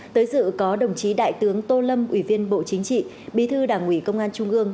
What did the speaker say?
tới dự có đồng chí đại tướng tô lâm ủy viên bộ chính trị bí thư đảng ủy công an trung ương